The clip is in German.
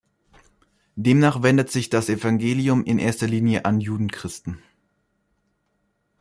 Demnach wendet sich das Evangelium in erster Linie an Judenchristen.